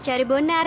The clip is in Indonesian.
om ya udah mag ikat